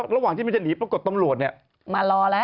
ระหว่างที่มันจะหนีปรากฏตำรวจ